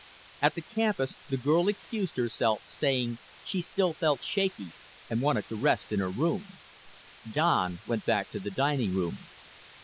At the campus the girl excused herself, saying she still felt shaky and wanted to rest in her room. Don went back to the dining room.